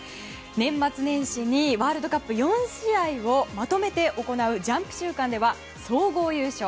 年末年始にワールドカップ４試合をまとめて行うジャンプ週間では総合優勝。